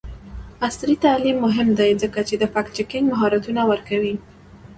عصري تعلیم مهم دی ځکه چې د فکټ چیکینګ مهارتونه ورکوي.